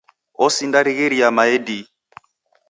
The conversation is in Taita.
Osindarighiria mae dii.